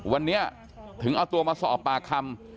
วันนี้ถึงเอาตัวมาสอบปากคำ